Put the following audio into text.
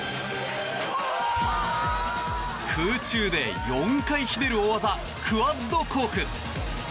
空中で４回ひねる大技クワッドコーク。